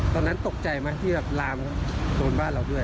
ตอนนั้นตกใจไหมที่แบบลามโดนบ้านเราด้วย